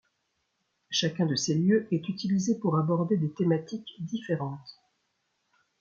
Chacun de ces lieux est utilisé pour aborder des thématiques différentes.